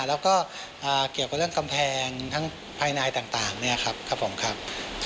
แล้วก็เกี่ยวกับเรื่องกำแพงทั้งภายในต่างครับ